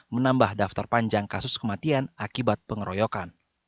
menambah daftar panjang kasus kematian akibat pengeroyokan